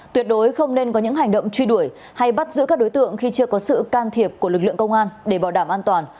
tuyệt đối không nên có những hành động truy đuổi hay bắt giữ các đối tượng khi chưa có sự can thiệp của lực lượng công an để bảo đảm an toàn